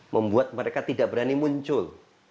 membuat mereka tidak berani muncul